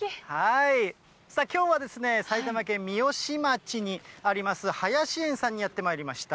さあ、きょうはですね、埼玉県三芳町にあります、はやし園さんにやってまいりました。